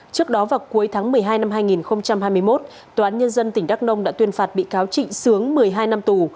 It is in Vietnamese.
trước đó vào cuối tháng một mươi hai năm hai nghìn hai mươi một tòa án nhân dân tỉnh đắk nông đã tuyên phạt bị cáo trịnh sướng một mươi hai năm tù